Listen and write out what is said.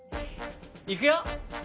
いくよ！